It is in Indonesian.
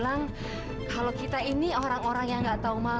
eh tunggu dulu ya